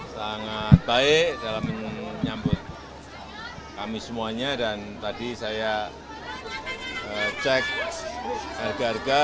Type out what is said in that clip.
sangat baik dalam menyambut kami semuanya dan tadi saya cek harga harga